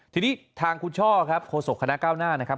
ทีนี้ทางคุณช่อครับโฆษกคณะก้าวหน้านะครับ